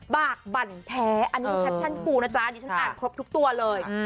บากบั่นแท้อันนี้คือแคปชั่นปูนะจ๊ะดิฉันอ่านครบทุกตัวเลย